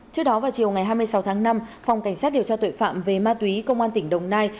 trước đó vào chiều ngày hai mươi sáu tháng năm phòng cảnh sát điều tra tội phạm về ma túy công an tỉnh đồng nai